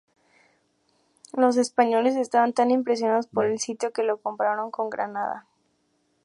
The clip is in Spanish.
Los españoles estaban tan impresionados por el sitio que lo compararon con Granada.